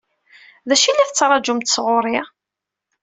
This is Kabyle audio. D acu i la tettṛaǧumt sɣur-i?